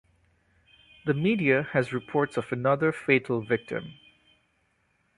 The media has reports of another fatal victim.